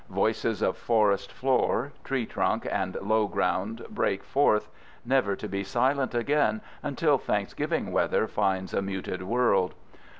Voices of forest floor, tree trunk, and lowground break forth, never to be silent again until Thanksgiving weather finds a muted world.